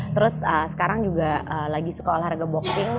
terus sekarang juga lagi suka olahraga boxing